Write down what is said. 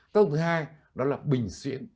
tác dụng thứ hai đó là bình xuyến